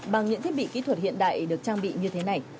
bằng những thiết bị kỹ thuật hiện đại được trang bị như thế này